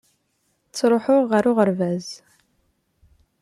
Ttruḥuɣ ɣer uɣerbaz.